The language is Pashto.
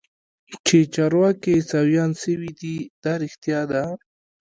چې چارواکي عيسويان سوي دي دا رښتيا ده.